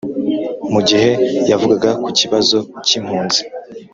mu gihe yavugaga ku kibazo cy'impunzi,